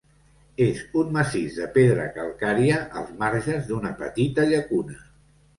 És un massís de pedra calcària als marges d'una petita llacuna.